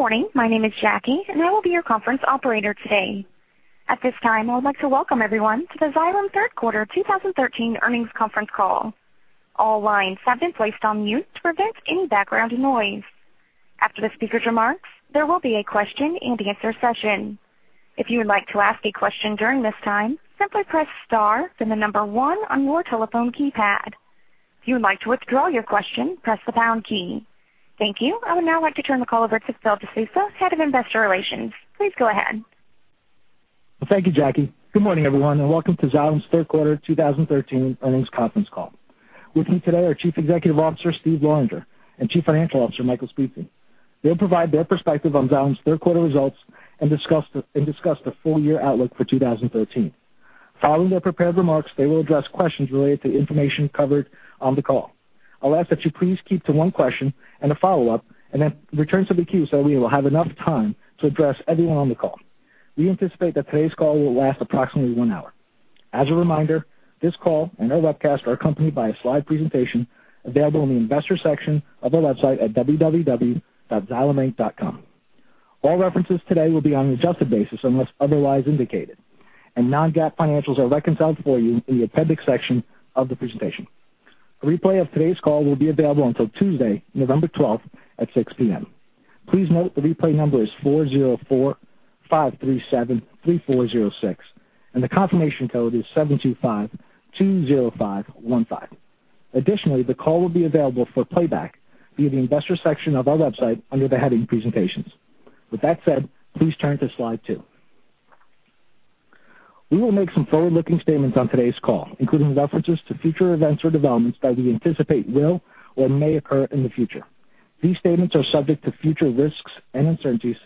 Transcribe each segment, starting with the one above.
Good morning. My name is Jackie, and I will be your conference operator today. At this time, I would like to welcome everyone to the Xylem Third Quarter 2013 Earnings Conference Call. All lines have been placed on mute to prevent any background noise. After the speaker's remarks, there will be a question-and-answer session. If you would like to ask a question during this time, simply press star then the number 1 on your telephone keypad. If you would like to withdraw your question, press the pound key. Thank you. I would now like to turn the call over to Phil De Sousa, Head of Investor Relations. Please go ahead. Well, thank you, Jackie. Good morning, everyone, and welcome to Xylem's Third Quarter 2013 Earnings Conference Call. With me today are Chief Executive Officer, Steven Loranger, and Chief Financial Officer, Michael Speetzen. They'll provide their perspective on Xylem's third quarter results and discuss the full year outlook for 2013. Following their prepared remarks, they will address questions related to information covered on the call. I'll ask that you please keep to one question and a follow-up, then return to the queue so that we will have enough time to address everyone on the call. We anticipate that today's call will last approximately one hour. As a reminder, this call and our webcast are accompanied by a slide presentation available in the investor section of our website at www.xylem.com. All references today will be on an adjusted basis unless otherwise indicated. Non-GAAP financials are reconciled for you in the appendix section of the presentation. A replay of today's call will be available until Tuesday, November 12th at 6:00 P.M. Please note the replay number is 404-537-3406. The confirmation code is 72520515. Additionally, the call will be available for playback via the investor section of our website under the heading Presentations. With that said, please turn to slide two. We will make some forward-looking statements on today's call, including references to future events or developments that we anticipate will or may occur in the future. These statements are subject to future risks and uncertainties,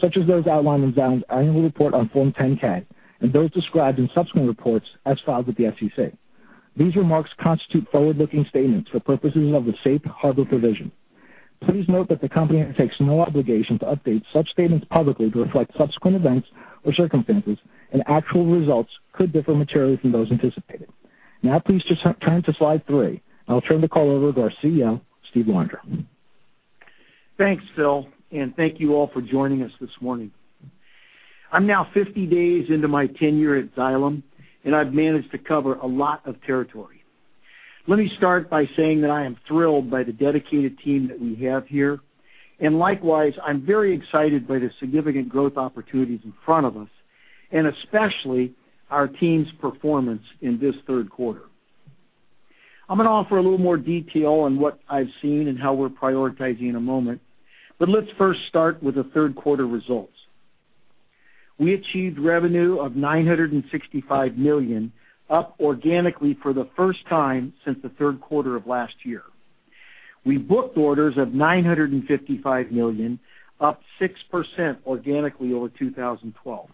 such as those outlined in Xylem's annual report on Form 10-K and those described in subsequent reports as filed with the SEC. These remarks constitute forward-looking statements for purposes of the safe harbor provision. Please note that the company undertakes no obligation to update such statements publicly to reflect subsequent events or circumstances. Actual results could differ materially from those anticipated. Now, please just turn to slide three. I'll turn the call over to our CEO, Steven Loranger. Thanks, Phil. Thank you all for joining us this morning. I'm now 50 days into my tenure at Xylem. I've managed to cover a lot of territory. Let me start by saying that I am thrilled by the dedicated team that we have here. Likewise, I'm very excited by the significant growth opportunities in front of us, and especially our team's performance in this third quarter. I'm gonna offer a little more detail on what I've seen and how we're prioritizing in a moment. Let's first start with the third quarter results. We achieved revenue of $965 million, up organically for the first time since the third quarter of last year. We booked orders of $955 million, up 6% organically over 2012.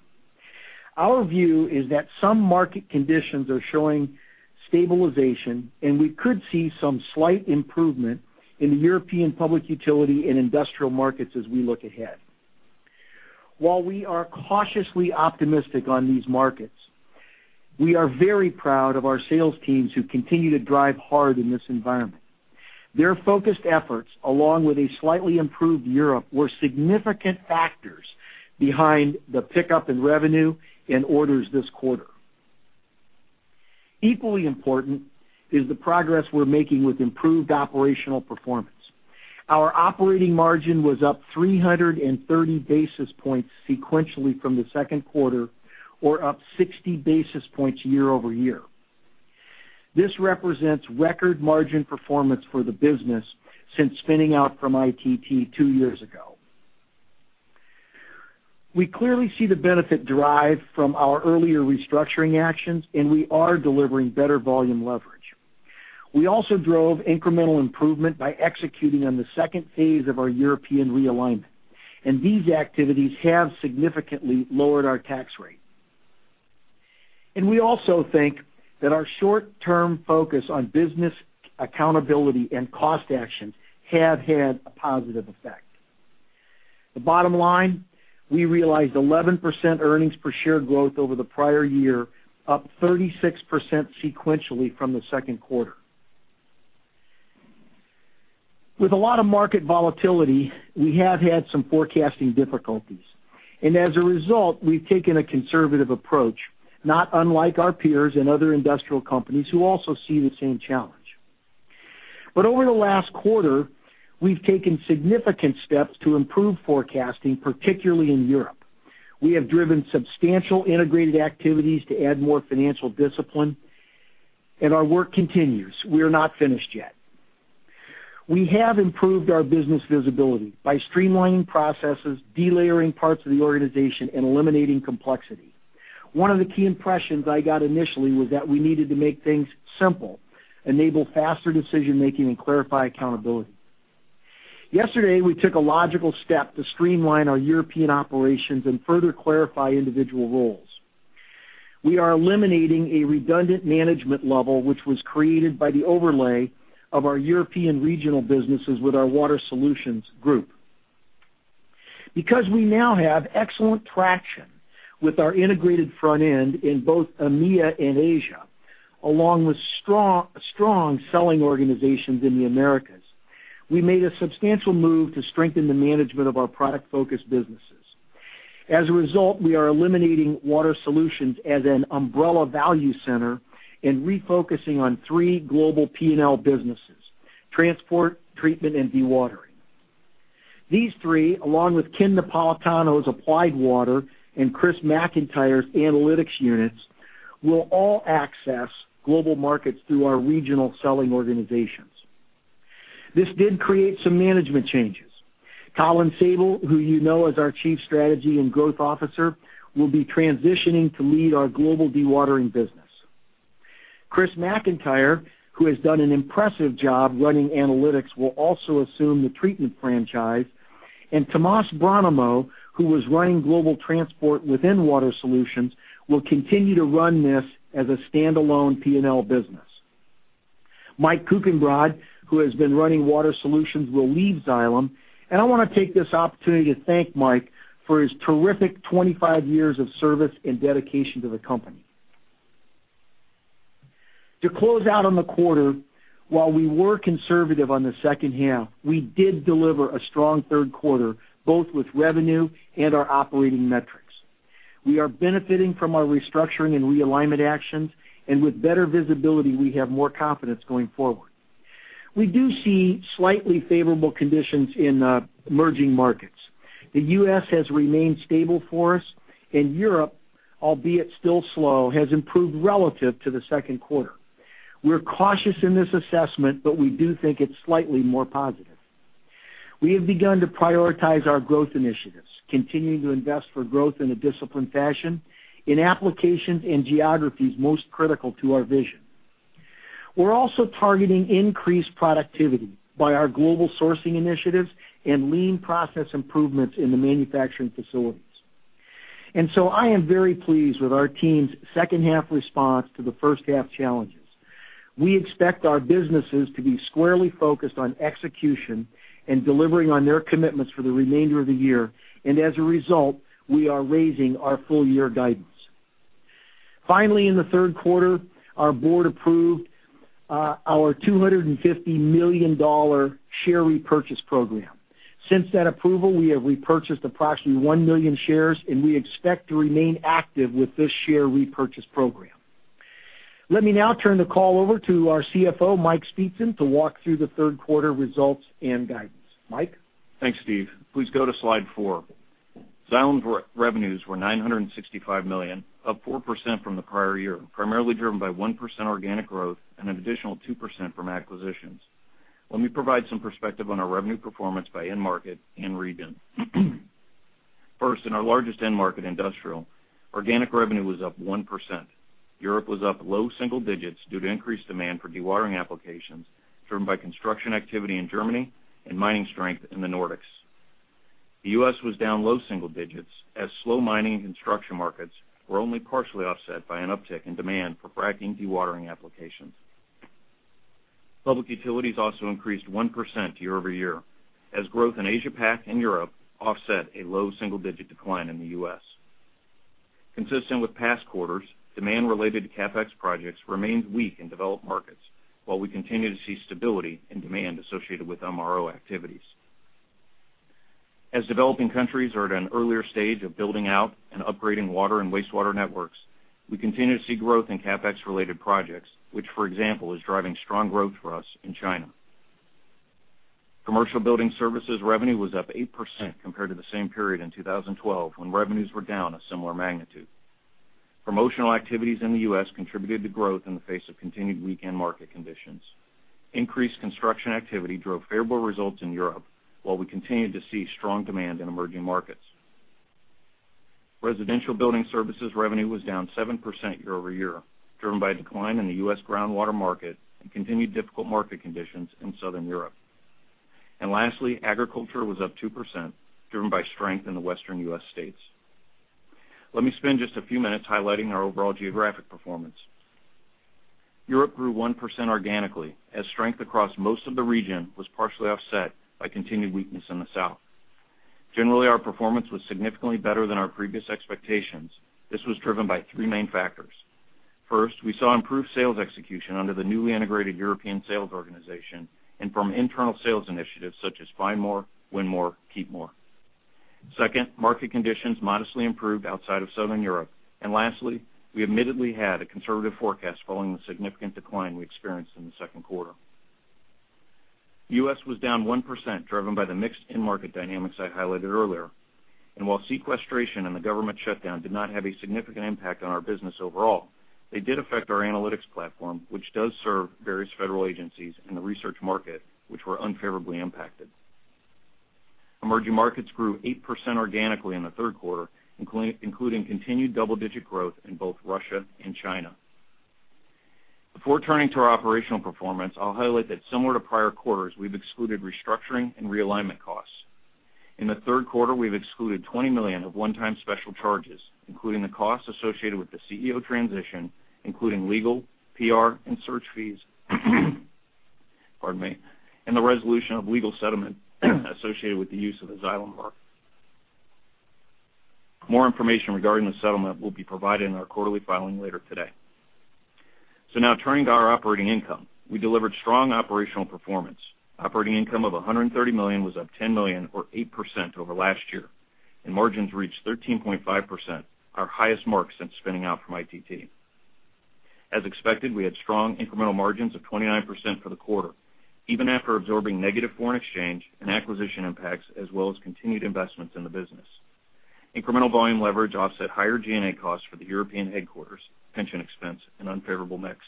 Our view is that some market conditions are showing stabilization. We could see some slight improvement in the European public utility and industrial markets as we look ahead. While we are cautiously optimistic on these markets, we are very proud of our sales teams who continue to drive hard in this environment. Their focused efforts, along with a slightly improved Europe, were significant factors behind the pickup in revenue and orders this quarter. Equally important is the progress we're making with improved operational performance. Our operating margin was up 330 basis points sequentially from the second quarter or up 60 basis points year-over-year. This represents record margin performance for the business since spinning out from ITT two years ago. We clearly see the benefit derived from our earlier restructuring actions. We are delivering better volume leverage. We also drove incremental improvement by executing on the phase 2 of our European realignment. These activities have significantly lowered our tax rate. We also think that our short-term focus on business accountability and cost actions have had a positive effect. The bottom line, we realized 11% earnings per share growth over the prior year, up 36% sequentially from the second quarter. With a lot of market volatility, we have had some forecasting difficulties. As a result, we've taken a conservative approach, not unlike our peers and other industrial companies who also see the same challenge. Over the last quarter, we've taken significant steps to improve forecasting, particularly in Europe. We have driven substantial integrated activities to add more financial discipline. Our work continues. We are not finished yet. We have improved our business visibility by streamlining processes, delayering parts of the organization, and eliminating complexity. One of the key impressions I got initially was that we needed to make things simple, enable faster decision-making, and clarify accountability. Yesterday, we took a logical step to streamline our European operations and further clarify individual roles. We are eliminating a redundant management level which was created by the overlay of our European regional businesses with our Water Solutions group. Because we now have excellent traction With our integrated front end in both EMEA and Asia, along with strong selling organizations in the Americas, we made a substantial move to strengthen the management of our product-focused businesses. As a result, we are eliminating Water Solutions as an umbrella value center and refocusing on three global P&L businesses: transport, treatment, and dewatering. These three, along with Ken Napolitano's Applied Water and Chris McIntire's analytics units, will all access global markets through our regional selling organizations. This did create some management changes. Colin Sabol, who you know as our Chief Strategy and Growth Officer, will be transitioning to lead our global dewatering business. Chris McIntire, who has done an impressive job running analytics, will also assume the treatment franchise, and Tomas Brannemo, who was running global transport within Water Solutions, will continue to run this as a standalone P&L business. Mike Kuchenbrod, who has been running Water Solutions, will leave Xylem, and I want to take this opportunity to thank Mike for his terrific 25 years of service and dedication to the company. To close out on the quarter, while we were conservative on the second half, we did deliver a strong third quarter, both with revenue and our operating metrics. We are benefiting from our restructuring and realignment actions, and with better visibility, we have more confidence going forward. We do see slightly favorable conditions in emerging markets. The U.S. has remained stable for us. In Europe, albeit still slow, has improved relative to the second quarter. We're cautious in this assessment, but we do think it's slightly more positive. We have begun to prioritize our growth initiatives, continuing to invest for growth in a disciplined fashion in applications and geographies most critical to our vision. We're also targeting increased productivity by our global sourcing initiatives and Lean process improvements in the manufacturing facilities. I am very pleased with our team's second half response to the first half challenges. We expect our businesses to be squarely focused on execution and delivering on their commitments for the remainder of the year. As a result, we are raising our full year guidance. Finally, in the third quarter, our board approved our $250 million share repurchase program. Since that approval, we have repurchased approximately 1 million shares, and we expect to remain active with this share repurchase program. Let me now turn the call over to our CFO, Mike Speetzen, to walk through the third quarter results and guidance. Mike? Thanks, Steve. Please go to slide four. Xylem's revenues were $965 million, up 4% from the prior year, primarily driven by 1% organic growth and an additional 2% from acquisitions. Let me provide some perspective on our revenue performance by end market and region. First, in our largest end market, industrial, organic revenue was up 1%. Europe was up low single digits due to increased demand for dewatering applications driven by construction activity in Germany and mining strength in the Nordics. The U.S. was down low single digits as slow mining and construction markets were only partially offset by an uptick in demand for fracking dewatering applications. Public utilities also increased 1% year-over-year, as growth in Asia Pac and Europe offset a low single-digit decline in the U.S. Consistent with past quarters, demand related to CapEx projects remains weak in developed markets, while we continue to see stability in demand associated with MRO activities. As developing countries are at an earlier stage of building out and upgrading water and wastewater networks, we continue to see growth in CapEx related projects, which for example, is driving strong growth for us in China. Commercial building services revenue was up 8% compared to the same period in 2012, when revenues were down a similar magnitude. Promotional activities in the U.S. contributed to growth in the face of continued weak end market conditions. Increased construction activity drove favorable results in Europe, while we continued to see strong demand in emerging markets. Residential building services revenue was down 7% year-over-year, driven by a decline in the U.S. groundwater market and continued difficult market conditions in Southern Europe. Lastly, agriculture was up 2%, driven by strength in the Western U.S. states. Let me spend just a few minutes highlighting our overall geographic performance. Europe grew 1% organically as strength across most of the region was partially offset by continued weakness in the South. Generally, our performance was significantly better than our previous expectations. This was driven by three main factors. First, we saw improved sales execution under the newly integrated European sales organization and from internal sales initiatives such as Find More, Win More, Keep More. Second, market conditions modestly improved outside of Southern Europe. Lastly, we admittedly had a conservative forecast following the significant decline we experienced in the second quarter. U.S. was down 1%, driven by the mixed end market dynamics I highlighted earlier. While sequestration and the government shutdown did not have a significant impact on our business overall, they did affect our analytics platform, which does serve various federal agencies in the research market, which were unfavorably impacted. Emerging markets grew 8% organically in the third quarter, including continued double-digit growth in both Russia and China. Before turning to our operational performance, I will highlight that similar to prior quarters, we have excluded restructuring and realignment costs. In the third quarter, we have excluded $20 million of one-time special charges, including the costs associated with the CEO transition, including legal, PR, and search fees. Pardon me. The resolution of legal settlement associated with the use of the Xylem mark. More information regarding the settlement will be provided in our quarterly filing later today. Now turning to our operating income. We delivered strong operational performance. Operating income of $130 million was up $10 million, or 8%, over last year, and margins reached 13.5%, our highest mark since spinning out from ITT. As expected, we had strong incremental margins of 29% for the quarter, even after absorbing negative foreign exchange and acquisition impacts, as well as continued investments in the business. Incremental volume leverage offset higher G&A costs for the European headquarters, pension expense, and unfavorable mix.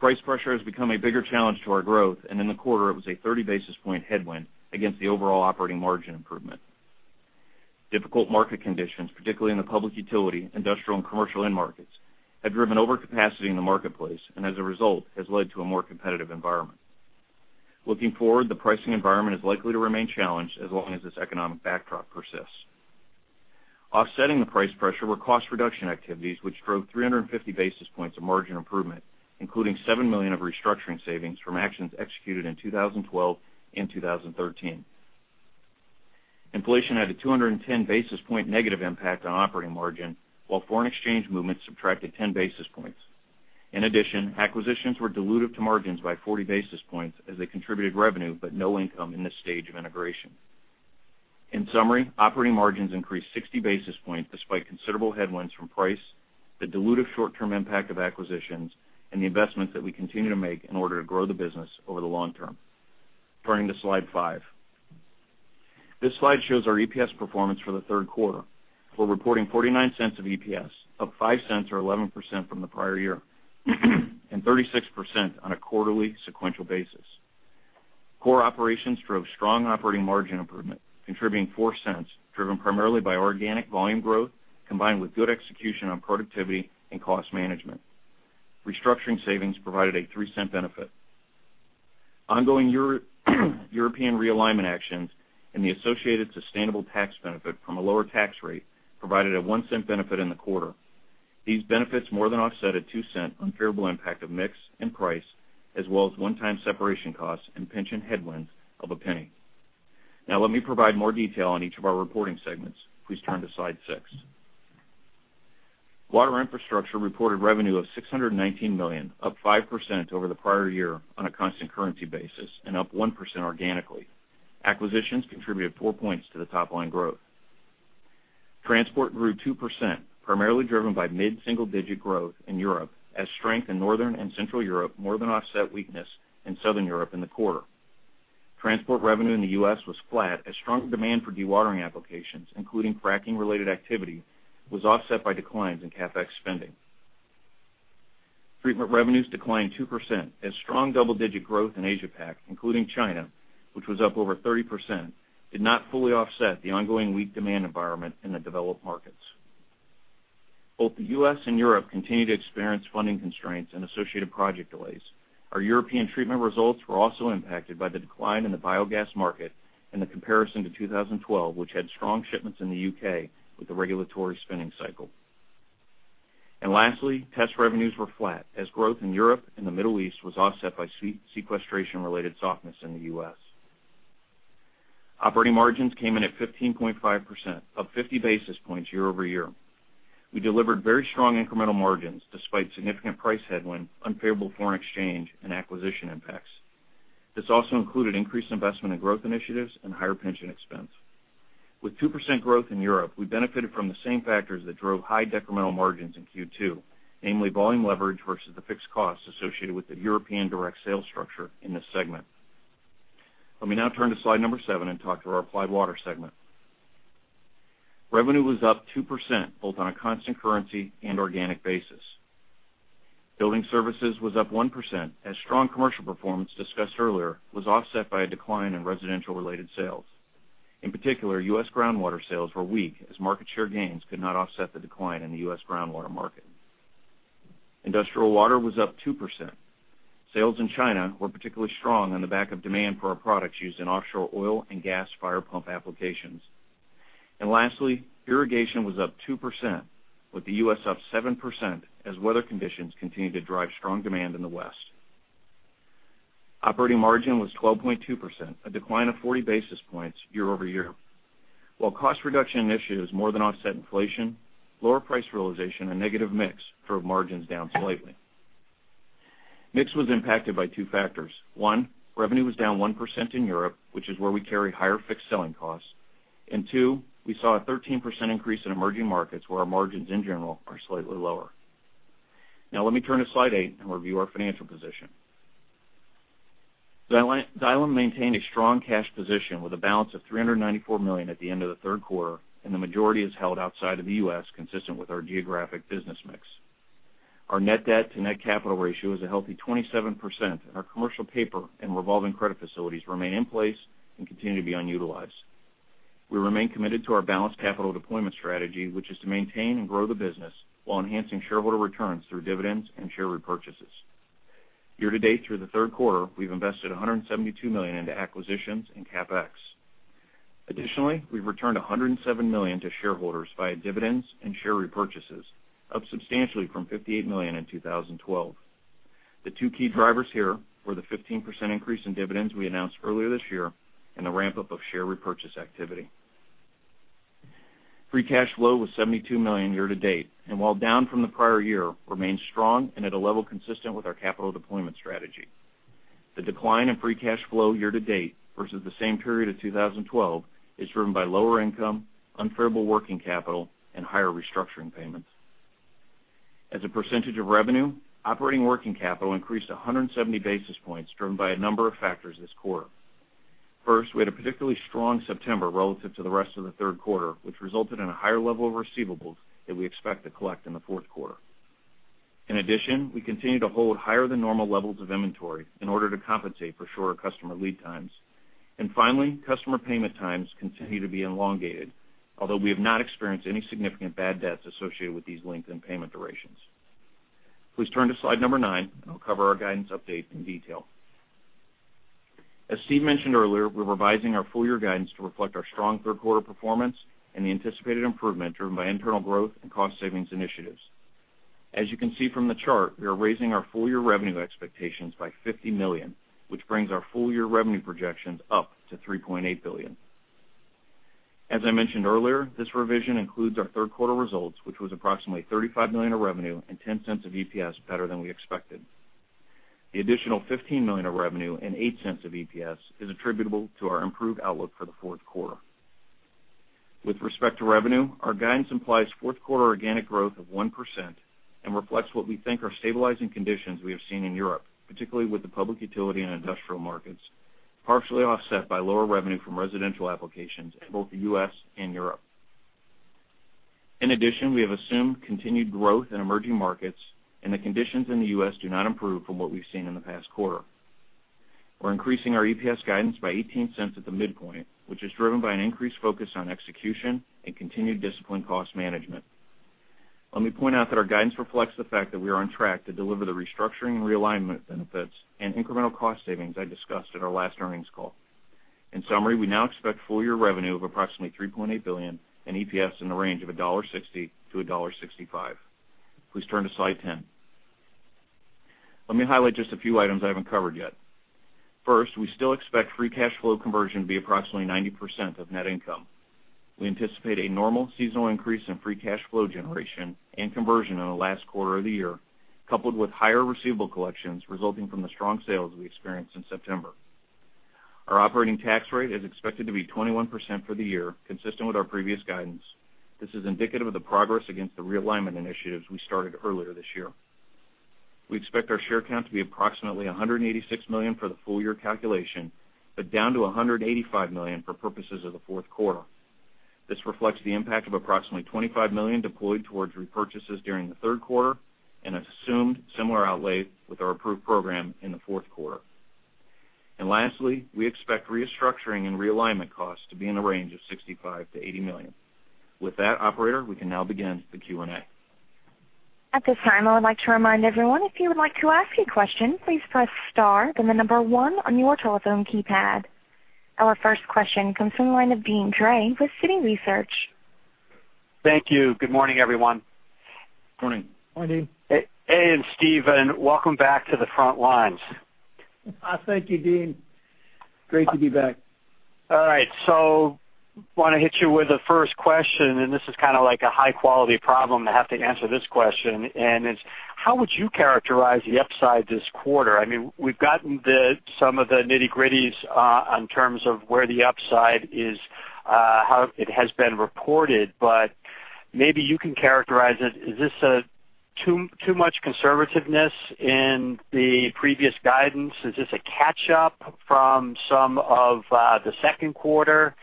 Price pressure has become a bigger challenge to our growth, and in the quarter, it was a 30 basis point headwind against the overall operating margin improvement. Difficult market conditions, particularly in the public utility, industrial, and commercial end markets, have driven overcapacity in the marketplace, and as a result, has led to a more competitive environment. Looking forward, the pricing environment is likely to remain challenged as long as this economic backdrop persists. Offsetting the price pressure were cost reduction activities, which drove 350 basis points of margin improvement, including $7 million of restructuring savings from actions executed in 2012 and 2013. Inflation had a 210 basis point negative impact on operating margin, while foreign exchange movements subtracted 10 basis points. Acquisitions were dilutive to margins by 40 basis points as they contributed revenue, but no income in this stage of integration. In summary, operating margins increased 60 basis points despite considerable headwinds from price, the dilutive short-term impact of acquisitions, and the investments that we continue to make in order to grow the business over the long term. Turning to slide five. This slide shows our EPS performance for the third quarter. We're reporting $0.49 of EPS, up $0.05 or 11% from the prior year. 36% on a quarterly sequential basis. Core operations drove strong operating margin improvement, contributing $0.04, driven primarily by organic volume growth, combined with good execution on productivity and cost management. Restructuring savings provided a $0.03 benefit. Ongoing European realignment actions and the associated sustainable tax benefit from a lower tax rate provided a $0.01 benefit in the quarter. These benefits more than offset a $0.02 unfavorable impact of mix and price, as well as one-time separation costs and pension headwinds of $0.01. Let me provide more detail on each of our reporting segments. Please turn to slide six. Water Infrastructure reported revenue of $619 million, up 5% over the prior year on a constant currency basis, and up 1% organically. Acquisitions contributed 4 points to the top-line growth. Transport grew 2%, primarily driven by mid-single-digit growth in Europe, as strength in Northern and Central Europe more than offset weakness in Southern Europe in the quarter. Transport revenue in the U.S. was flat as strong demand for dewatering applications, including fracking related activity, was offset by declines in CapEx spending. Treatment revenues declined 2% as strong double-digit growth in Asia-Pac, including China, which was up over 30%, did not fully offset the ongoing weak demand environment in the developed markets. Both the U.S. and Europe continue to experience funding constraints and associated project delays. Our European treatment results were also impacted by the decline in the biogas market and the comparison to 2012, which had strong shipments in the U.K. with the regulatory spending cycle. Lastly, test revenues were flat as growth in Europe and the Middle East was offset by sequestration related softness in the U.S. Operating margins came in at 15.5%, up 50 basis points year-over-year. We delivered very strong incremental margins despite significant price headwind, unfavorable foreign exchange, and acquisition impacts. This also included increased investment in growth initiatives and higher pension expense. With 2% growth in Europe, we benefited from the same factors that drove high decremental margins in Q2, namely volume leverage versus the fixed costs associated with the European direct sales structure in this segment. Let me now turn to slide number seven and talk to our Applied Water segment. Revenue was up 2%, both on a constant currency and organic basis. Building services was up 1% as strong commercial performance discussed earlier was offset by a decline in residential related sales. In particular, U.S. groundwater sales were weak as market share gains could not offset the decline in the U.S. groundwater market. Industrial water was up 2%. Sales in China were particularly strong on the back of demand for our products used in offshore oil and gas fire pump applications. Lastly, irrigation was up 2%, with the U.S. up 7% as weather conditions continued to drive strong demand in the West. Operating margin was 12.2%, a decline of 40 basis points year over year. While cost reduction initiatives more than offset inflation, lower price realization, and negative mix drove margins down slightly. Mix was impacted by two factors. One, revenue was down 1% in Europe, which is where we carry higher fixed selling costs. Two, we saw a 13% increase in emerging markets, where our margins in general are slightly lower. Let me turn to slide eight and review our financial position. Xylem maintained a strong cash position with a balance of $394 million at the end of the third quarter, the majority is held outside of the U.S., consistent with our geographic business mix. Our net debt to net capital ratio is a healthy 27%, our commercial paper and revolving credit facilities remain in place and continue to be unutilized. We remain committed to our balanced capital deployment strategy, which is to maintain and grow the business while enhancing shareholder returns through dividends and share repurchases. Year to date through the third quarter, we've invested $172 million into acquisitions and CapEx. Additionally, we've returned $107 million to shareholders via dividends and share repurchases, up substantially from $58 million in 2012. The two key drivers here were the 15% increase in dividends we announced earlier this year and the ramp-up of share repurchase activity. Free cash flow was $72 million year-to-date, while down from the prior year, remains strong and at a level consistent with our capital deployment strategy. The decline in free cash flow year-to-date versus the same period of 2012 is driven by lower income, unfavorable working capital, and higher restructuring payments. As a percentage of revenue, operating working capital increased 170 basis points driven by a number of factors this quarter. First, we had a particularly strong September relative to the rest of the third quarter, which resulted in a higher level of receivables that we expect to collect in the fourth quarter. In addition, we continue to hold higher than normal levels of inventory in order to compensate for shorter customer lead times. Finally, customer payment times continue to be elongated, although we have not experienced any significant bad debts associated with these lengthened payment durations. Please turn to slide number nine, I'll cover our guidance update in detail. As Steve mentioned earlier, we're revising our full-year guidance to reflect our strong third quarter performance and the anticipated improvement driven by internal growth and cost savings initiatives. As you can see from the chart, we are raising our full-year revenue expectations by $50 million, which brings our full-year revenue projections up to $3.8 billion. As I mentioned earlier, this revision includes our third quarter results, which was approximately $35 million of revenue and $0.10 of EPS better than we expected. The additional $15 million of revenue and $0.08 of EPS is attributable to our improved outlook for the fourth quarter. With respect to revenue, our guidance implies fourth quarter organic growth of 1% and reflects what we think are stabilizing conditions we have seen in Europe, particularly with the public utility and industrial markets, partially offset by lower revenue from residential applications in both the U.S. and Europe. In addition, we have assumed continued growth in emerging markets and the conditions in the U.S. do not improve from what we've seen in the past quarter. We're increasing our EPS guidance by $0.18 at the midpoint, which is driven by an increased focus on execution and continued disciplined cost management. Let me point out that our guidance reflects the fact that we are on track to deliver the restructuring and realignment benefits and incremental cost savings I discussed at our last earnings call. In summary, we now expect full-year revenue of approximately $3.8 billion and EPS in the range of $1.60-$1.65. Please turn to slide 10. Let me highlight just a few items I haven't covered yet. First, we still expect free cash flow conversion to be approximately 90% of net income. We anticipate a normal seasonal increase in free cash flow generation and conversion in the last quarter of the year, coupled with higher receivable collections resulting from the strong sales we experienced in September. Our operating tax rate is expected to be 21% for the year, consistent with our previous guidance. This is indicative of the progress against the realignment initiatives we started earlier this year. We expect our share count to be approximately 186 million for the full-year calculation, but down to 185 million for purposes of the fourth quarter. This reflects the impact of approximately $25 million deployed towards repurchases during the third quarter and assumed similar outlay with our approved program in the fourth quarter. Lastly, we expect restructuring and realignment costs to be in the range of $65 million-$80 million. With that, operator, we can now begin the Q&A. At this time, I would like to remind everyone, if you would like to ask a question, please press star, then the number one on your telephone keypad. Our first question comes from the line of Deane Dray with Citi Research. Thank you. Good morning, everyone. Morning. Morning. Hey, Mike and Steve, welcome back to the front lines. Thank you, Deane. Great to be back. All right, want to hit you with the first question, this is kind of like a high-quality problem to have to answer this question, it's how would you characterize the upside this quarter? I mean, we've gotten some of the nitty-gritties on terms of where the upside is, how it has been reported, maybe you can characterize it. Is this too much conservativeness in the previous guidance? Is this a catch-up from some of the second quarter?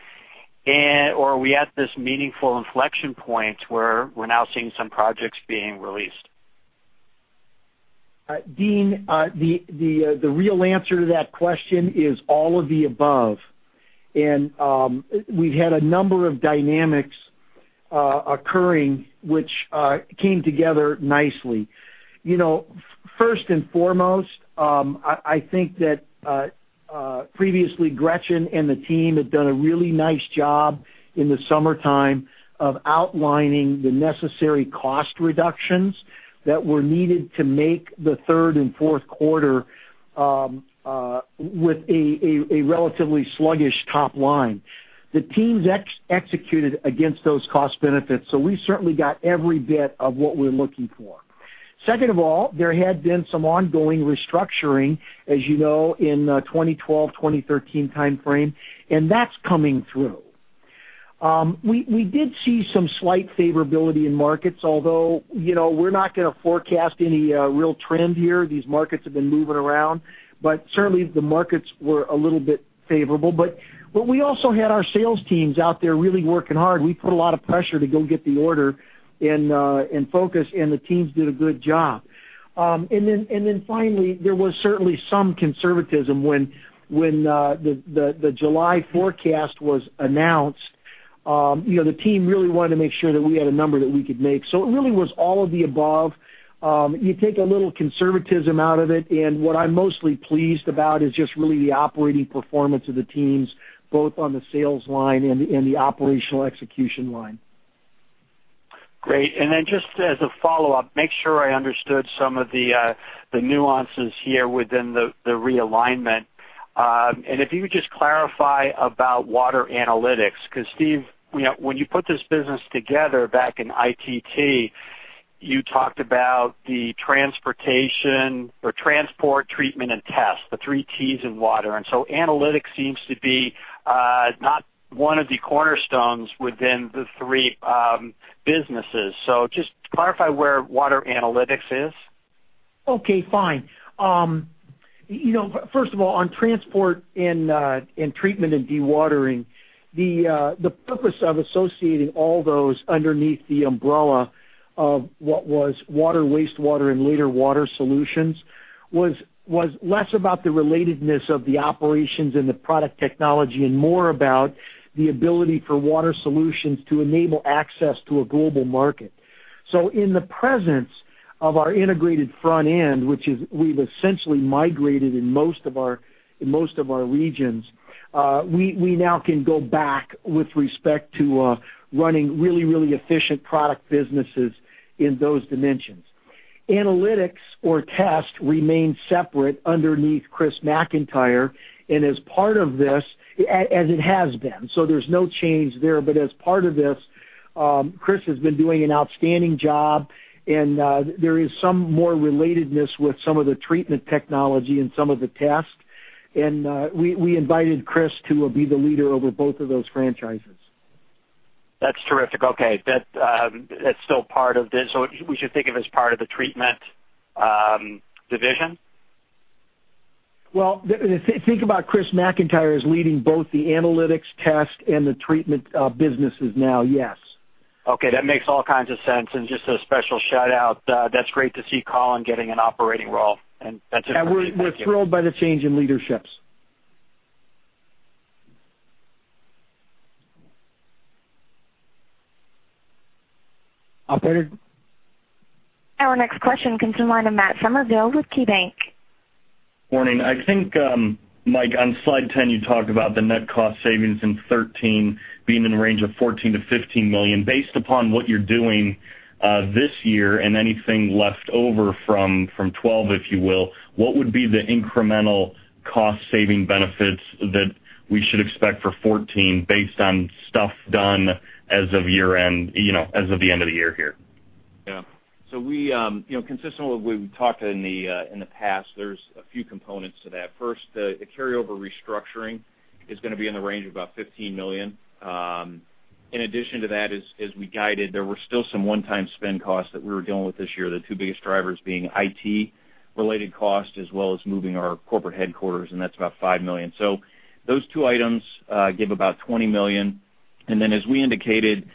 Are we at this meaningful inflection point where we're now seeing some projects being released? Deane, the real answer to that question is all of the above. We've had a number of dynamics occurring which came together nicely. First and foremost, I think that previously Gretchen and the team had done a really nice job in the summertime of outlining the necessary cost reductions that were needed to make the third and fourth quarter with a relatively sluggish top line. The teams executed against those cost benefits, we certainly got every bit of what we're looking for. Second of all, there had been some ongoing restructuring, as you know, in 2012-2013 timeframe, that's coming through. We did see some slight favorability in markets, although we're not going to forecast any real trend here. These markets have been moving around, certainly the markets were a little bit favorable. We also had our sales teams out there really working hard. We put a lot of pressure to go get the order and focus, the teams did a good job. Finally, there was certainly some conservatism when the July forecast was announced. The team really wanted to make sure that we had a number that we could make. It really was all of the above. You take a little conservatism out of it, what I'm mostly pleased about is just really the operating performance of the teams, both on the sales line and the operational execution line. Great. Just as a follow-up, make sure I understood some of the nuances here within the realignment. If you would just clarify about water analytics, because Steve, when you put this business together back in ITT, you talked about the transportation or transport, treatment, and test, the three Ts in water. Analytics seems to be not one of the cornerstones within the three businesses. Just clarify where water analytics is. Okay, fine. First of all, on transport and treatment and dewatering, the purpose of associating all those underneath the umbrella of what was water, wastewater, and later Water Solutions, was less about the relatedness of the operations and the product technology and more about the ability for Water Solutions to enable access to a global market. In the presence of our integrated front end, which is we've essentially migrated in most of our regions, we now can go back with respect to running really efficient product businesses in those dimensions. Analytics or test remains separate underneath Chris McIntire, as part of this, as it has been, there's no change there. As part of this, Chris has been doing an outstanding job, there is some more relatedness with some of the treatment technology and some of the test. We invited Chris to be the leader over both of those franchises. That's terrific. Okay. That's still part of this. We should think of it as part of the treatment division? Well, think about Chris McIntire as leading both the Analytics and the treatment businesses now, yes. Okay. That makes all kinds of sense and just a special shout-out. That's great to see Colin Sabol getting an operating role. We're thrilled by the change in leadership. Operator? Our next question comes from the line of Matt Summerville with KeyBank. Morning. I think, Mike, on slide 10, you talked about the net cost savings in 2013 being in the range of $14 million-$15 million. Based upon what you're doing this year and anything left over from 2012, if you will, what would be the incremental cost-saving benefits that we should expect for 2014 based on stuff done as of the end of the year here? Consistent with what we've talked in the past, there's a few components to that. First, the carryover restructuring is going to be in the range of about $15 million. In addition to that, as we guided, there were still some one-time spend costs that we were dealing with this year, the two biggest drivers being IT-related cost, as well as moving our corporate headquarters, and that's about $5 million. Those two items give about $20 million. As we indicated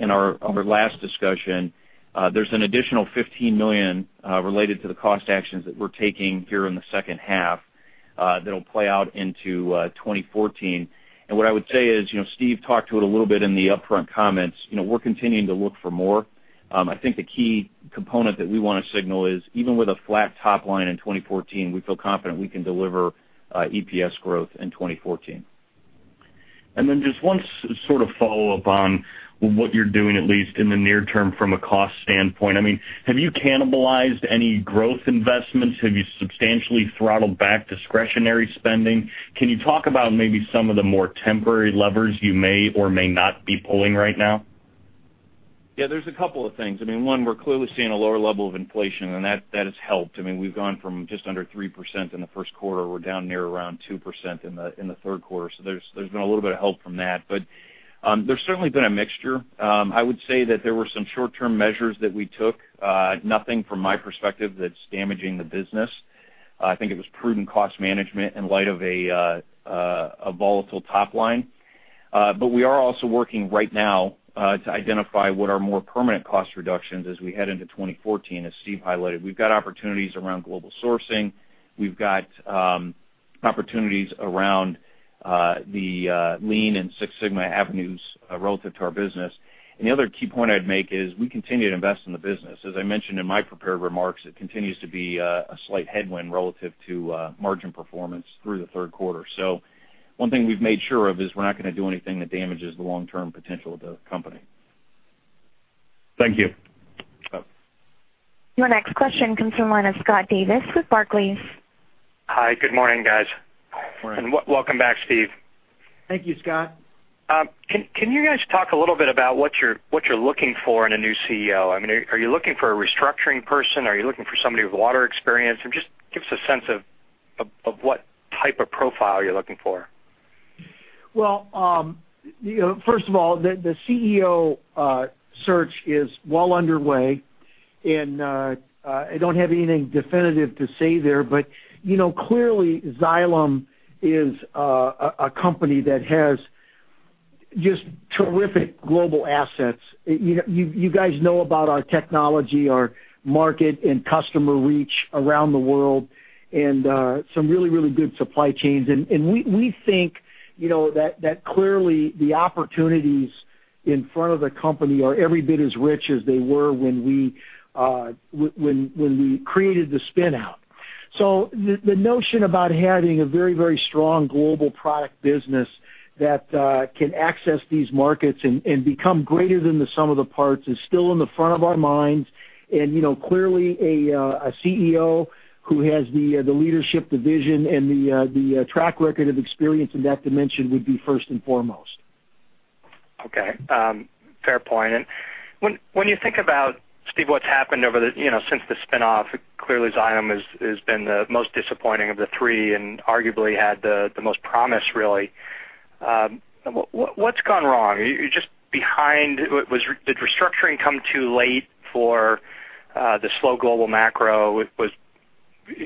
in our last discussion, there's an additional $15 million related to the cost actions that we're taking here in the second half that'll play out into 2014. What I would say is, Steve talked to it a little bit in the upfront comments. We're continuing to look for more. I think the key component that we want to signal is even with a flat top line in 2014, we feel confident we can deliver EPS growth in 2014. Just one sort of follow-up on what you're doing, at least in the near term from a cost standpoint. I mean, have you cannibalized any growth investments? Have you substantially throttled back discretionary spending? Can you talk about maybe some of the more temporary levers you may or may not be pulling right now? Yeah, there's a couple of things. I mean, one, we're clearly seeing a lower level of inflation, and that has helped. I mean, we've gone from just under 3% in the first quarter. We're down near around 2% in the third quarter. There's been a little bit of help from that, there's certainly been a mixture. I would say that there were some short-term measures that we took. Nothing from my perspective that's damaging the business. I think it was prudent cost management in light of a volatile top line. We are also working right now to identify what are more permanent cost reductions as we head into 2014, as Steve highlighted. We've got opportunities around global sourcing. We've got opportunities around the Lean and Six Sigma avenues relative to our business. The other key point I'd make is we continue to invest in the business. As I mentioned in my prepared remarks, it continues to be a slight headwind relative to margin performance through the third quarter. One thing we've made sure of is we're not going to do anything that damages the long-term potential of the company. Thank you. No. Your next question comes from the line of Scott Davis with Barclays. Hi, good morning, guys. Morning. Welcome back, Steve. Thank you, Scott. Can you guys talk a little bit about what you're looking for in a new CEO? I mean, are you looking for a restructuring person? Are you looking for somebody with water experience? Just give us a sense of what type of profile you're looking for. Well, first of all, the CEO search is well underway. I don't have anything definitive to say there. Clearly, Xylem is a company that has just terrific global assets. You guys know about our technology, our market, and customer reach around the world, and some really good supply chains. We think that clearly the opportunities in front of the company are every bit as rich as they were when we created the spin-out. The notion about having a very strong global product business that can access these markets and become greater than the sum of the parts is still in the front of our minds. Clearly, a CEO who has the leadership, the vision, and the track record of experience in that dimension would be first and foremost. Okay. Fair point. When you think about, Steve, what's happened since the spin-off, clearly Xylem has been the most disappointing of the three and arguably had the most promise, really. What's gone wrong? You're just behind. Did restructuring come too late for the slow global macro?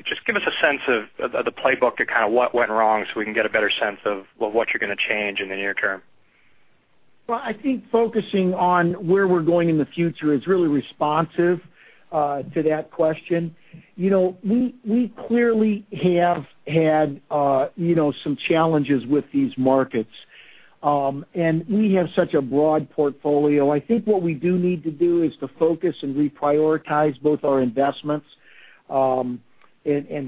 Just give us a sense of the playbook of what went wrong so we can get a better sense of what you're going to change in the near term. Well, I think focusing on where we're going in the future is really responsive to that question. We clearly have had some challenges with these markets. We have such a broad portfolio. I think what we do need to do is to focus and reprioritize both our investments and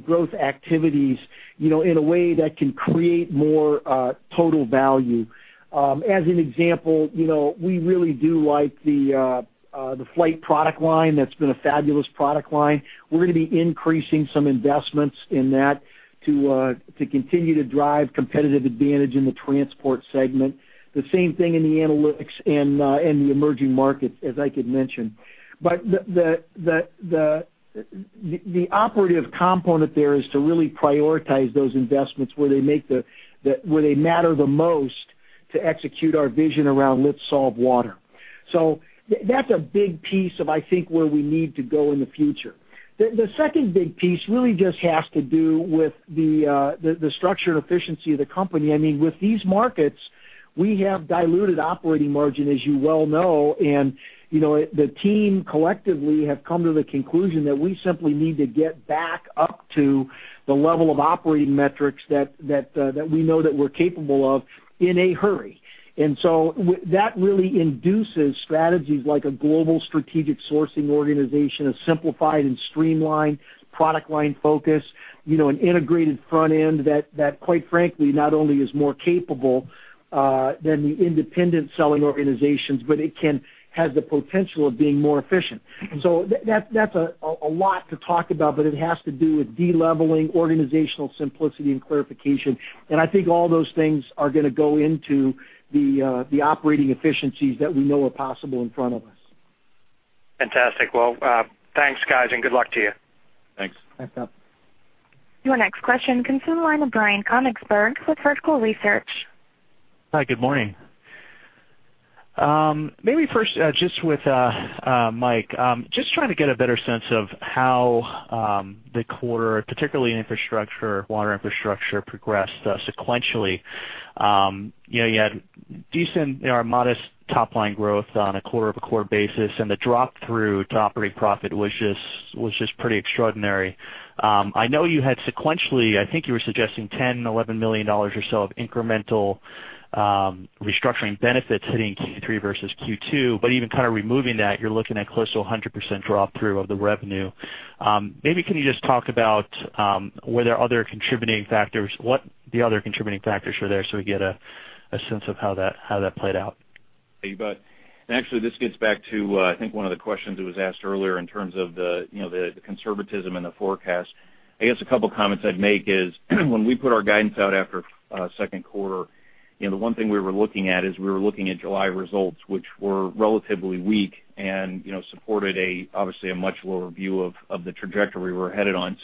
growth activities, in a way that can create more total value. As an example, we really do like the Flygt product line. That's been a fabulous product line. We're going to be increasing some investments in that to continue to drive competitive advantage in the transport segment. The same thing in the analytics and the emerging markets, as I had mentioned. The operative component there is to really prioritize those investments where they matter the most to execute our vision around Let's Solve Water. That's a big piece of, I think, where we need to go in the future. The second big piece really just has to do with the structure and efficiency of the company. With these markets, we have diluted operating margin, as you well know. The team collectively have come to the conclusion that we simply need to get back up to the level of operating metrics that we know that we're capable of in a hurry. That really induces strategies like a global strategic sourcing organization, a simplified and streamlined product line focus, an integrated front end that, quite frankly, not only is more capable than the independent selling organizations, but it has the potential of being more efficient. That's a lot to talk about, but it has to do with de-leveling, organizational simplicity, and clarification. I think all those things are going to go into the operating efficiencies that we know are possible in front of us. Fantastic. Well, thanks, guys, and good luck to you. Thanks. Thanks, Phil. Your next question comes from the line of Brian Konigsberg with Vertical Research. Hi, good morning. Maybe first, just with Mike, just trying to get a better sense of how the quarter, particularly in Water Infrastructure, progressed sequentially. You had decent or modest top-line growth on a quarter-over-quarter basis. The drop through to operating profit was just pretty extraordinary. I know you had sequentially, I think you were suggesting $10 million, $11 million or so of incremental restructuring benefits hitting Q3 versus Q2. Even kind of removing that, you're looking at close to 100% drop through of the revenue. Can you just talk about were there other contributing factors, what the other contributing factors were there, so we get a sense of how that played out? Actually, this gets back to, I think, one of the questions that was asked earlier in terms of the conservatism in the forecast. I guess a couple comments I'd make is, when we put our guidance out after second quarter, the one thing we were looking at is we were looking at July results, which were relatively weak and supported obviously a much lower view of the trajectory we're headed on.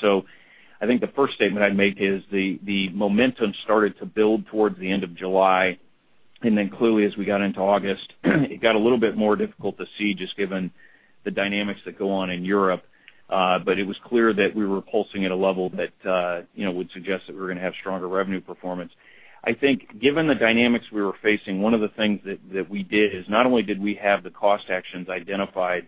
I think the first statement I'd make is the momentum started to build towards the end of July, and then clearly as we got into August, it got a little bit more difficult to see just given the dynamics that go on in Europe. It was clear that we were pulsing at a level that would suggest that we're going to have stronger revenue performance. Given the dynamics we were facing, one of the things that we did is not only did we have the cost actions identified,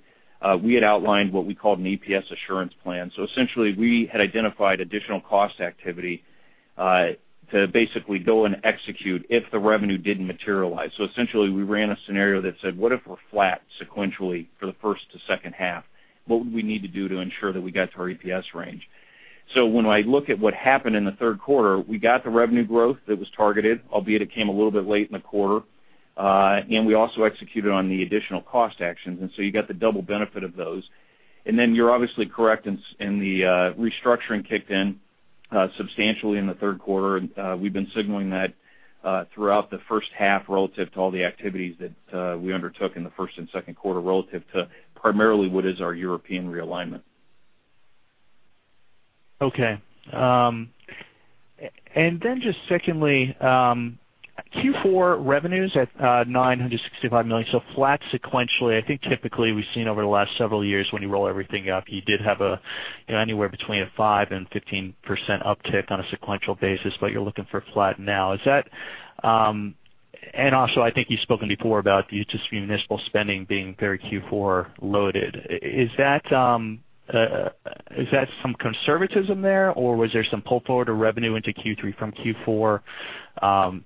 we had outlined what we called an EPS assurance plan. Essentially, we had identified additional cost activity to basically go and execute if the revenue didn't materialize. Essentially, we ran a scenario that said, what if we're flat sequentially for the first to second half? What would we need to do to ensure that we got to our EPS range? When I look at what happened in the third quarter, we got the revenue growth that was targeted, albeit it came a little bit late in the quarter. We also executed on the additional cost actions, you got the double benefit of those. You're obviously correct in the restructuring kicked in substantially in the third quarter. We've been signaling that throughout the first half relative to all the activities that we undertook in the first and second quarter relative to primarily what is our European realignment. Okay. Just secondly, Q4 revenues at $965 million, flat sequentially. I think typically we've seen over the last several years when you roll everything up, you did have anywhere between a 5%-15% uptick on a sequential basis, you're looking for flat now. Also, I think you've spoken before about the municipal spending being very Q4 loaded. Is that some conservatism there, or was there some pull forward of revenue into Q3 from Q4?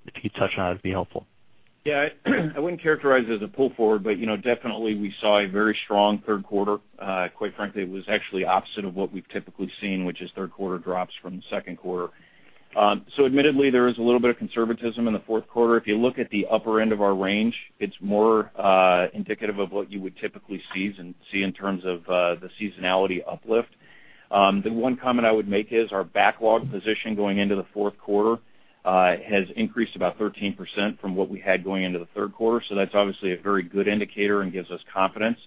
If you could touch on that, it'd be helpful. Yeah, I wouldn't characterize it as a pull forward, definitely we saw a very strong third quarter. Quite frankly, it was actually opposite of what we've typically seen, which is third quarter drops from the second quarter. Admittedly, there is a little bit of conservatism in the fourth quarter. If you look at the upper end of our range, it's more indicative of what you would typically see in terms of the seasonality uplift. The one comment I would make is our backlog position going into the fourth quarter has increased about 13% from what we had going into the third quarter. That's obviously a very good indicator and gives us confidence.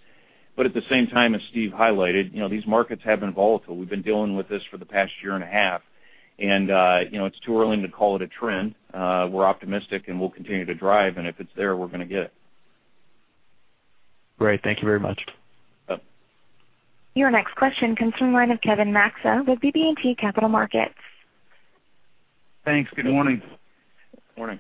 At the same time, as Steve highlighted, these markets have been volatile. We've been dealing with this for the past year and a half, it's too early to call it a trend. We're optimistic, and we'll continue to drive, and if it's there, we're gonna get it. Great. Thank you very much. Yep. Your next question comes from the line of Kevin Maxso with BB&T Capital Markets. Thanks. Good morning. Morning.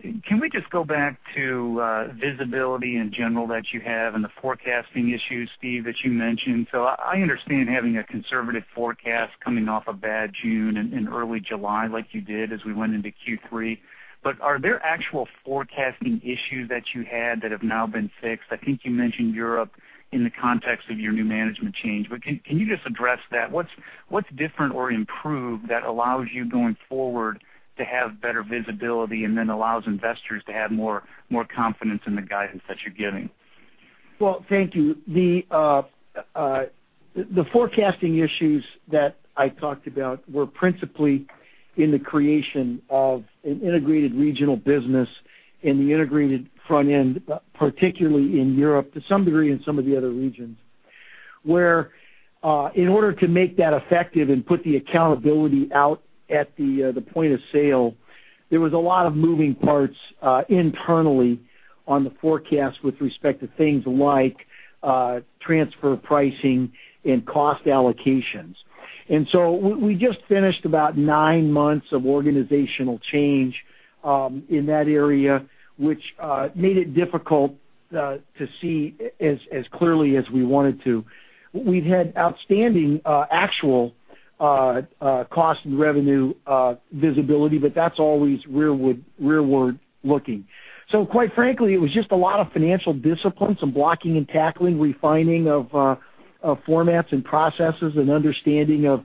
Can we just go back to visibility in general that you have and the forecasting issues, Steve, that you mentioned? I understand having a conservative forecast coming off a bad June and early July like you did as we went into Q3, but are there actual forecasting issues that you had that have now been fixed? I think you mentioned Europe in the context of your new management change, but can you just address that? What's different or improved that allows you going forward to have better visibility and then allows investors to have more confidence in the guidance that you're giving? Well, thank you. The forecasting issues that I talked about were principally in the creation of an integrated regional business in the integrated front end, particularly in Europe, to some degree in some of the other regions. Where in order to make that effective and put the accountability out at the point of sale, there was a lot of moving parts internally on the forecast with respect to things like transfer pricing and cost allocations. We just finished about nine months of organizational change in that area, which made it difficult to see as clearly as we wanted to. We'd had outstanding actual cost and revenue visibility, but that's always rearward-looking. Quite frankly, it was just a lot of financial discipline, some blocking and tackling, refining of formats and processes, and understanding of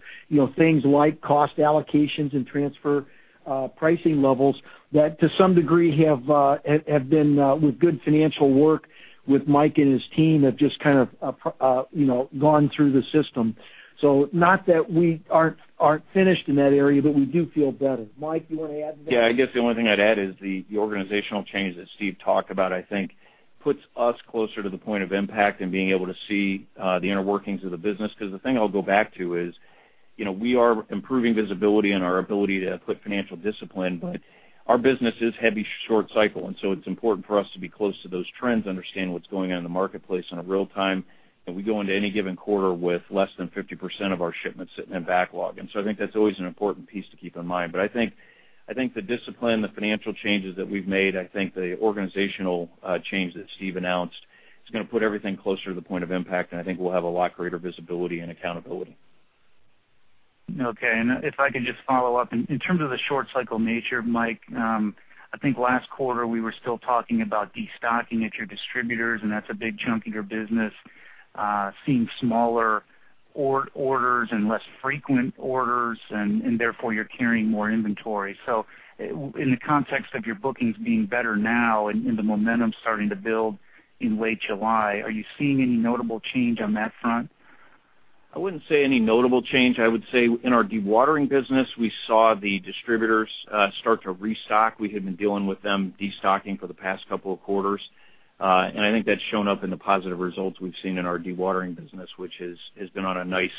things like cost allocations and transfer pricing levels that to some degree have been with good financial work with Mike and his team have just kind of gone through the system. Not that we aren't finished in that area, but we do feel better. Mike, you want to add to that? Yeah, I guess the only thing I'd add is the organizational change that Steve talked about, I think puts us closer to the point of impact and being able to see the inner workings of the business. Because the thing I'll go back to is we are improving visibility and our ability to put financial discipline, but our business is heavy short cycle, it's important for us to be close to those trends, understand what's going on in the marketplace in a real time. We go into any given quarter with less than 50% of our shipments sitting in backlog. I think that's always an important piece to keep in mind. I think the discipline, the financial changes that we've made, I think the organizational change that Steve announced is going to put everything closer to the point of impact, and I think we'll have a lot greater visibility and accountability. Okay. If I could just follow up. In terms of the short cycle nature, Mike, I think last quarter we were still talking about destocking at your distributors, and that's a big chunk of your business. Seeing smaller orders and less frequent orders, and therefore you're carrying more inventory. In the context of your bookings being better now and the momentum starting to build in late July, are you seeing any notable change on that front? I wouldn't say any notable change. I would say in our dewatering business, we saw the distributors start to restock. We had been dealing with them destocking for the past couple of quarters. I think that's shown up in the positive results we've seen in our dewatering business, which has been on a nice,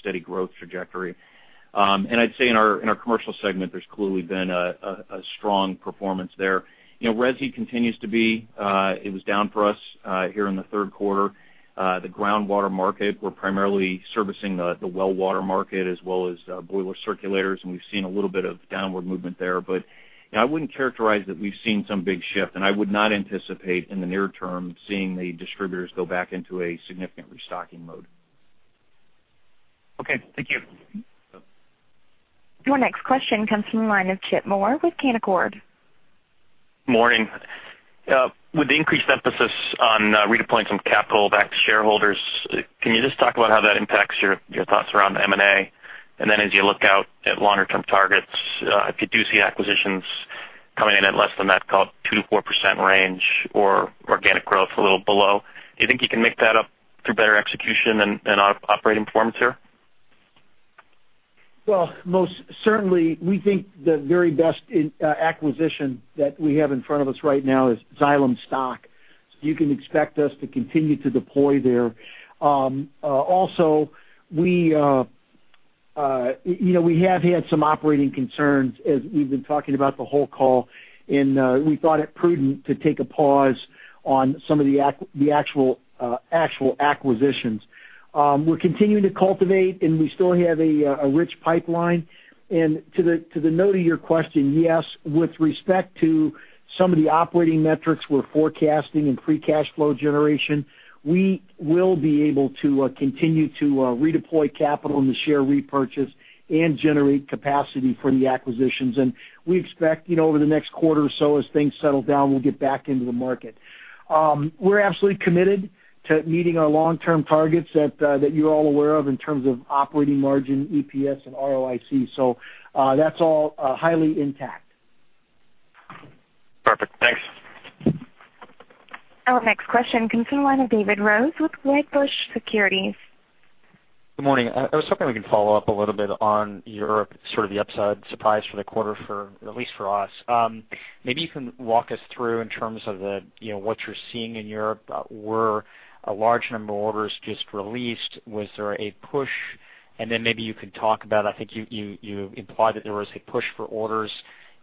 steady growth trajectory. I'd say in our commercial segment, there's clearly been a strong performance there. Resi continues to be down for us here in the third quarter. The groundwater market, we're primarily servicing the well water market as well as boiler circulators, and we've seen a little bit of downward movement there. I wouldn't characterize that we've seen some big shift, and I would not anticipate in the near term, seeing the distributors go back into a significant restocking mode. Okay. Thank you. Yep. Your next question comes from the line of Chip Moore with Canaccord. Morning. With the increased emphasis on redeploying some capital back to shareholders, can you just talk about how that impacts your thoughts around M&A? As you look out at longer term targets, if you do see acquisitions coming in at less than that called 2%-4% range or organic growth a little below, do you think you can make that up through better execution and operating performance here? Well, most certainly, we think the very best acquisition that we have in front of us right now is Xylem stock. You can expect us to continue to deploy there. We have had some operating concerns as we've been talking about the whole call, and we thought it prudent to take a pause on some of the actual acquisitions. We're continuing to cultivate, and we still have a rich pipeline. To the note of your question, yes, with respect to some of the operating metrics we're forecasting in free cash flow generation, we will be able to continue to redeploy capital in the share repurchase and generate capacity for the acquisitions. We expect, over the next quarter or so, as things settle down, we'll get back into the market. We're absolutely committed to meeting our long-term targets that you're all aware of in terms of operating margin, EPS, and ROIC. That's all highly intact. Perfect. Thanks. Our next question comes from the line of David Rose with Wedbush Securities. Good morning. I was hoping we can follow up a little bit on Europe, sort of the upside surprise for the quarter, at least for us. Maybe you can walk us through in terms of what you're seeing in Europe. Were a large number of orders just released? Was there a push? Maybe you could talk about, I think you implied that there was a push for orders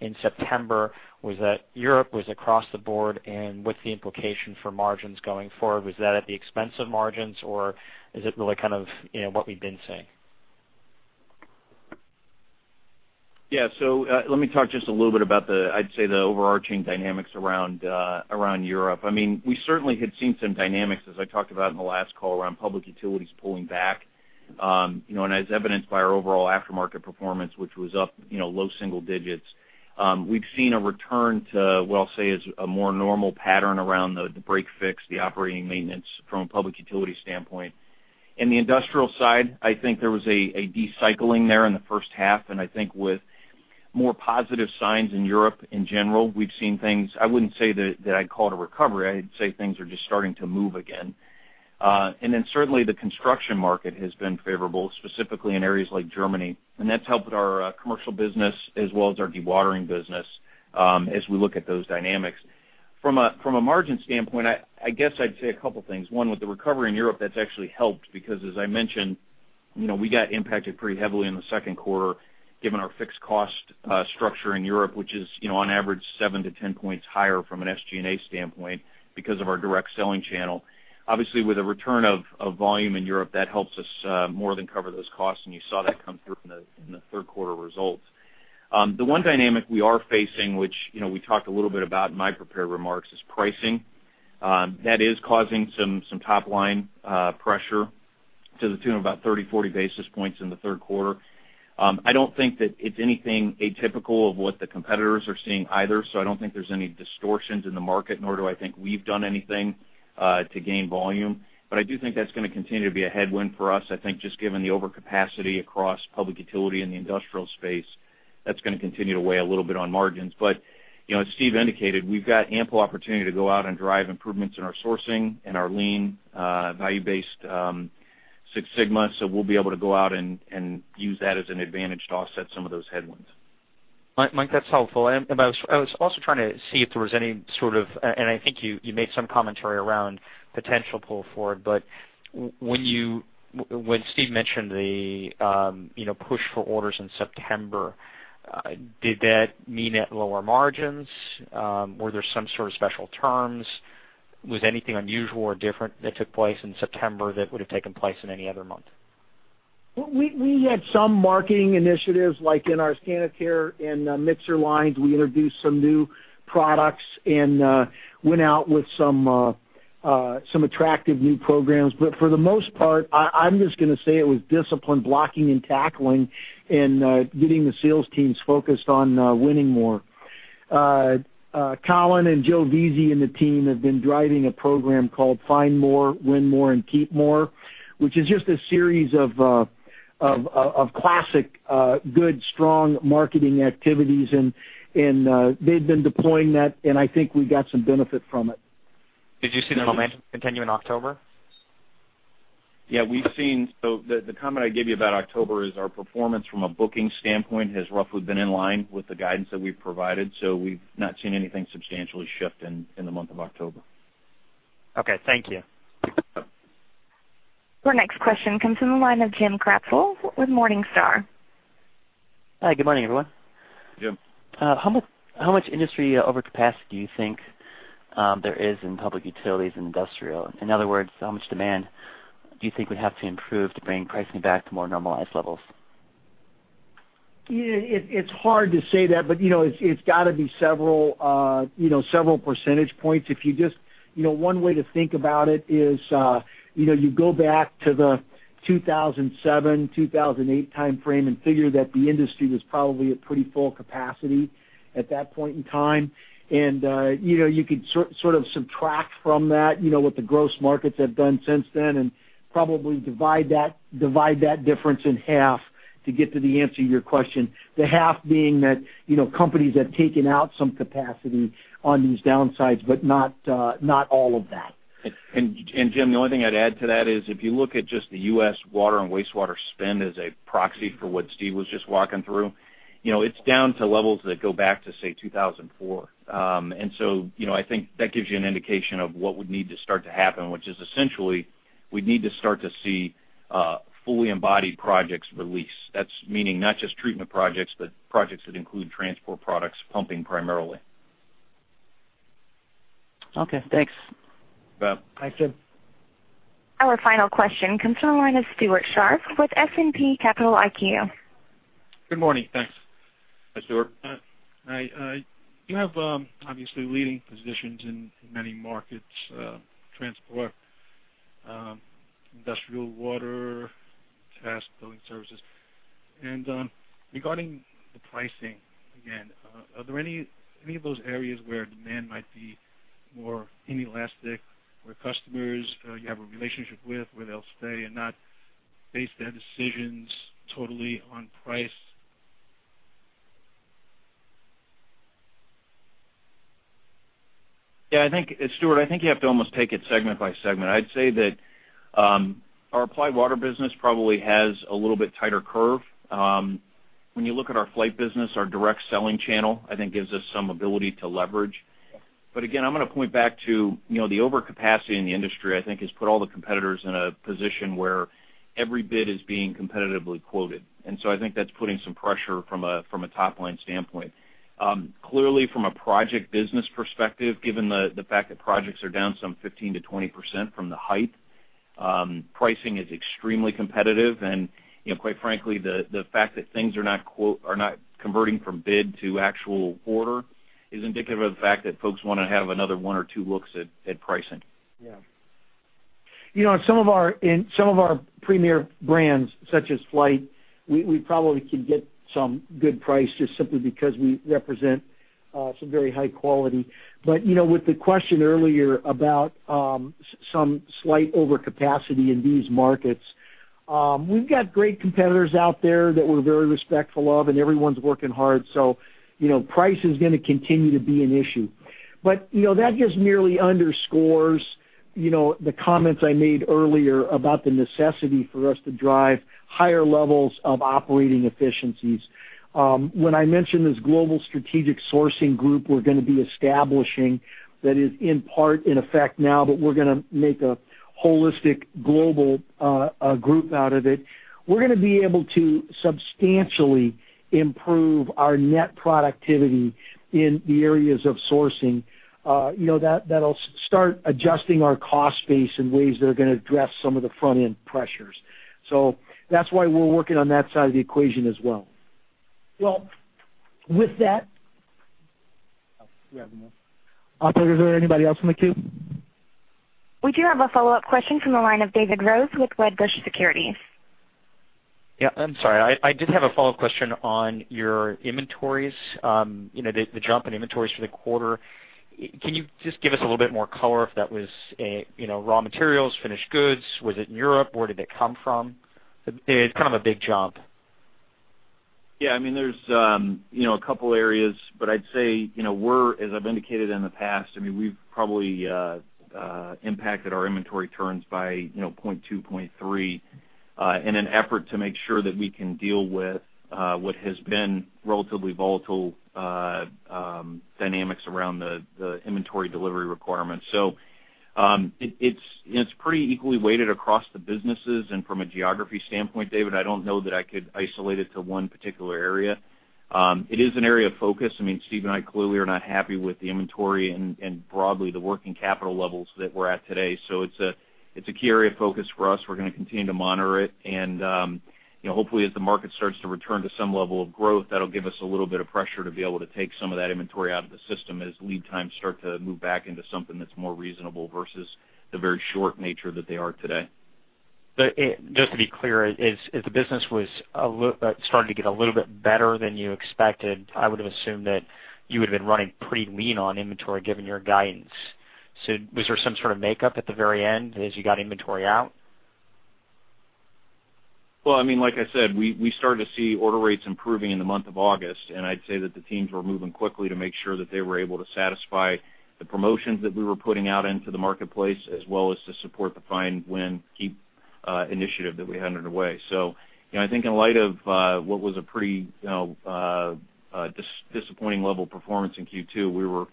in September. Was that Europe? Was it across the board? What's the implication for margins going forward? Was that at the expense of margins, or is it really kind of what we've been seeing? Yeah. Let me talk just a little bit about the, I'd say, the overarching dynamics around Europe. We certainly had seen some dynamics, as I talked about in the last call, around public utilities pulling back. As evidenced by our overall aftermarket performance, which was up low single digits. We've seen a return to what I'll say is a more normal pattern around the break-fix, the operating maintenance from a public utility standpoint. In the industrial side, I think there was a de-cycling there in the first half, and I think with more positive signs in Europe in general, we've seen things, I wouldn't say that I'd call it a recovery. I'd say things are just starting to move again. Certainly the construction market has been favorable, specifically in areas like Germany, and that's helped our commercial business as well as our dewatering business as we look at those dynamics. From a margin standpoint, I guess I'd say a couple things. One, with the recovery in Europe, that's actually helped because as I mentioned, we got impacted pretty heavily in the second quarter given our fixed cost structure in Europe, which is on average 7-10 points higher from an SG&A standpoint because of our direct selling channel. Obviously, with the return of volume in Europe, that helps us more than cover those costs, and you saw that come through in the third quarter results. The one dynamic we are facing, which we talked a little bit about in my prepared remarks, is pricing. That is causing some top-line pressure to the tune of about 30, 40 basis points in the third quarter. I don't think that it's anything atypical of what the competitors are seeing either, I don't think there's any distortions in the market, nor do I think we've done anything to gain volume. I do think that's going to continue to be a headwind for us. I think just given the overcapacity across public utility and the industrial space, that's going to continue to weigh a little bit on margins. As Steve indicated, we've got ample opportunity to go out and drive improvements in our sourcing and our Lean value-based Six Sigma. We'll be able to go out and use that as an advantage to offset some of those headwinds. Mike, that's helpful. I was also trying to see if there was any sort of, I think you made some commentary around potential pull forward. When Steve mentioned the push for orders in September, did that mean at lower margins? Were there some sort of special terms? Was anything unusual or different that took place in September that would have taken place in any other month? We had some marketing initiatives, like in our Sanitaire and mixer lines. We introduced some new products and went out with some attractive new programs. For the most part, I'm just going to say it was disciplined blocking and tackling and getting the sales teams focused on winning more. Colin and Joe Veazey and the team have been driving a program called Find More, Win More, Keep More, which is just a series of classic good, strong marketing activities, they've been deploying that, I think we got some benefit from it. Did you see the momentum continue in October? Yeah. The comment I gave you about October is our performance from a booking standpoint has roughly been in line with the guidance that we've provided. We've not seen anything substantially shift in the month of October. Okay. Thank you. Our next question comes from the line of Jim Krapfel with Morningstar. Hi, good morning, everyone. Jim. How much industry overcapacity do you think there is in public utilities and industrial? In other words, how much demand do you think we have to improve to bring pricing back to more normalized levels? It's hard to say that, it's got to be several percentage points. One way to think about it is you go back to the 2007, 2008 timeframe and figure that the industry was probably at pretty full capacity at that point in time. You could sort of subtract from that what the gross markets have done since then, and probably divide that difference in half to get to the answer to your question. The half being that companies have taken out some capacity on these downsides, but not all of that. Jim, the only thing I'd add to that is if you look at just the U.S. water and wastewater spend as a proxy for what Steve was just walking through, it's down to levels that go back to, say, 2004. I think that gives you an indication of what would need to start to happen, which is essentially we'd need to start to see fully embodied projects release. That's meaning not just treatment projects, but projects that include transport products, pumping primarily. Okay, thanks. You bet. Thanks, Jim. Our final question comes from the line of Stuart Sharpe with S&P Capital IQ. Good morning. Thanks. Hi, Stuart. You have obviously leading positions in many markets, transport, industrial water, commercial building services. Regarding the pricing again, are there any of those areas where demand might be more inelastic, where customers you have a relationship with, where they'll stay and not base their decisions totally on price? Yeah, Stuart, I think you have to almost take it segment by segment. I'd say that our Applied Water business probably has a little bit tighter curve. When you look at our Flygt business, our direct selling channel, I think gives us some ability to leverage. Again, I'm going to point back to the overcapacity in the industry, I think has put all the competitors in a position where every bid is being competitively quoted. I think that's putting some pressure from a top-line standpoint. Clearly from a project business perspective, given the fact that projects are down some 15%-20% from the height, pricing is extremely competitive. Quite frankly, the fact that things are not converting from bid to actual order is indicative of the fact that folks want to have another one or two looks at pricing. Yeah. In some of our premier brands, such as Flygt, we probably can get some good price just simply because we represent some very high quality. With the question earlier about some slight overcapacity in these markets, we've got great competitors out there that we're very respectful of, and everyone's working hard. Price is going to continue to be an issue. That just merely underscores the comments I made earlier about the necessity for us to drive higher levels of operating efficiencies. When I mention this global strategic sourcing group we're going to be establishing, that is in part in effect now, but we're going to make a holistic global group out of it. We're going to be able to substantially improve our net productivity in the areas of sourcing. That'll start adjusting our cost base in ways that are going to address some of the front-end pressures. That's why we're working on that side of the equation as well. With that, do we have more? Operator, is there anybody else in the queue? We do have a follow-up question from the line of David Rose with Wedbush Securities. I'm sorry. I did have a follow-up question on your inventories, the jump in inventories for the quarter. Can you just give us a little bit more color if that was raw materials, finished goods? Was it in Europe? Where did it come from? It's kind of a big jump. There's a couple areas, I'd say we're, as I've indicated in the past, we've probably impacted our inventory turns by 0.2, 0.3 in an effort to make sure that we can deal with what has been relatively volatile dynamics around the inventory delivery requirements. It's pretty equally weighted across the businesses. From a geography standpoint, David, I don't know that I could isolate it to one particular area. It is an area of focus. Steve and I clearly are not happy with the inventory and broadly the working capital levels that we're at today. It's a key area of focus for us. We're going to continue to monitor it. Hopefully, as the market starts to return to some level of growth, that'll give us a little bit of pressure to be able to take some of that inventory out of the system as lead times start to move back into something that's more reasonable versus the very short nature that they are today. Just to be clear, if the business was starting to get a little bit better than you expected, I would have assumed that you would have been running pretty lean on inventory given your guidance. Was there some sort of makeup at the very end as you got inventory out? Well, like I said, we started to see order rates improving in the month of August. I'd say that the teams were moving quickly to make sure that they were able to satisfy the promotions that we were putting out into the marketplace, as well as to support the Find, Win, Keep initiative that we had underway. I think in light of what was a pretty disappointing level of performance in Q2, we were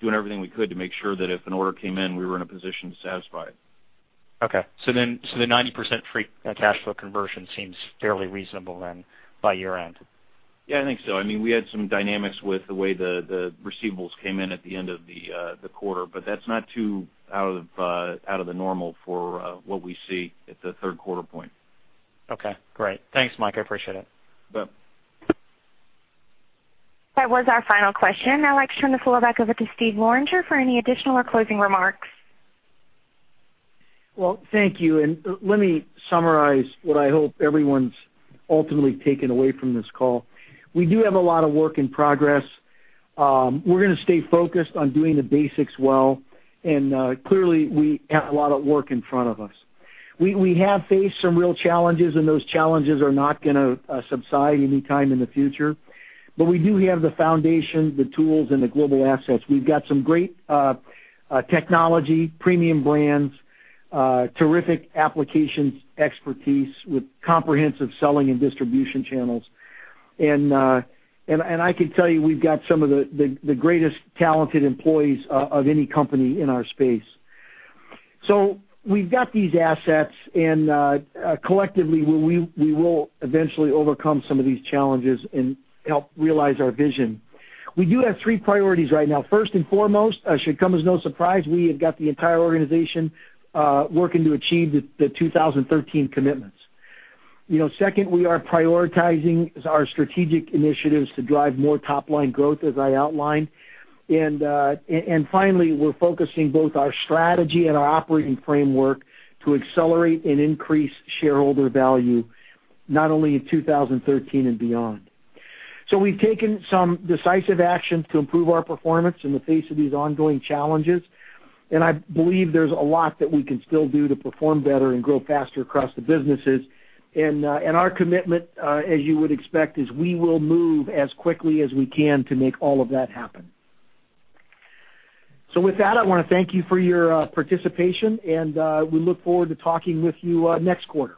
doing everything we could to make sure that if an order came in, we were in a position to satisfy it. Okay. The 90% free cash flow conversion seems fairly reasonable then by year-end. Yeah, I think so. We had some dynamics with the way the receivables came in at the end of the quarter, but that's not too out of the normal for what we see at the third quarter point. Okay, great. Thanks, Mike. I appreciate it. You bet. That was our final question. I'd like to turn the floor back over to Steve Loranger for any additional or closing remarks. Well, thank you. Let me summarize what I hope everyone's ultimately taken away from this call. We do have a lot of work in progress. We're going to stay focused on doing the basics well, clearly, we have a lot of work in front of us. We have faced some real challenges, and those challenges are not going to subside anytime in the future. We do have the foundation, the tools, and the global assets. We've got some great technology, premium brands, terrific applications expertise with comprehensive selling and distribution channels. I could tell you, we've got some of the greatest talented employees of any company in our space. We've got these assets, and collectively, we will eventually overcome some of these challenges and help realize our vision. We do have three priorities right now. First and foremost, it should come as no surprise, we have got the entire organization working to achieve the 2013 commitments. Second, we are prioritizing our strategic initiatives to drive more top-line growth, as I outlined. Finally, we're focusing both our strategy and our operating framework to accelerate and increase shareholder value, not only in 2013 and beyond. We've taken some decisive actions to improve our performance in the face of these ongoing challenges, and I believe there's a lot that we can still do to perform better and grow faster across the businesses. Our commitment, as you would expect, is we will move as quickly as we can to make all of that happen. With that, I want to thank you for your participation, and we look forward to talking with you next quarter.